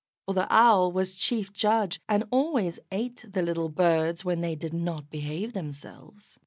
For the Owl was chief judge, and always ate the little birds when they did not behave themselves.